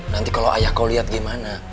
nanti kalau ayah kau lihat gimana